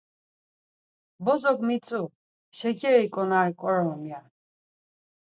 Bozok mitzu, 'Şekeri ǩonari ǩorom' ya.